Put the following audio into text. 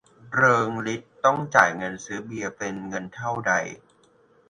เริงฤทธิ์ต้องจ่ายเงินซื้อเบียร์เป็นเงินเท่าใด